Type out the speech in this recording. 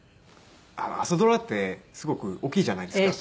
朝ドラってすごく大きいじゃないですか。